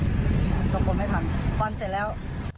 ฟันเสร็จแล้ว